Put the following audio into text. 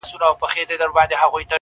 مه راته وايه چي د کار خبري ډي ښې دي.